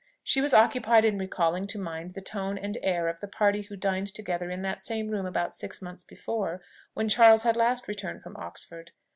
She was occupied in recalling to mind the tone and air of the party who dined together in that same room about six months before, when Charles had last returned from Oxford.